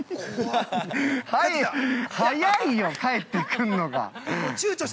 早いよ、帰ってくんのが。